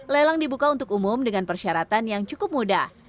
lelang dibuka untuk umum dengan persyaratan yang cukup mudah